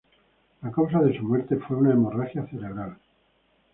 La causa de su muerte fue una hemorragia cerebral.